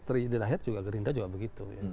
terakhir juga gerindra juga begitu